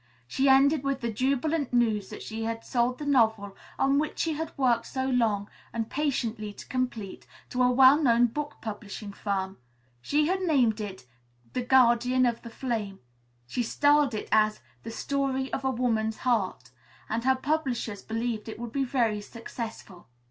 She ended with the jubilant news that she had sold the novel on which she had worked so long and patiently to complete, to a well known book publishing firm. She had named it, "the Guardian of the Flame." She styled it as "the story of a woman's heart," and her publishers believed it would be very successful.